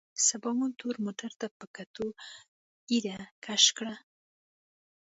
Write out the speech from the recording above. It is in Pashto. سباوون تور موټر ته په کتو ږيرې کش کړ.